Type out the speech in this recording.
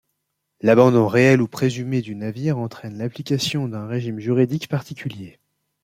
L'abandon réel ou présumé du navire entraîne l'application d'un régime juridique particulier.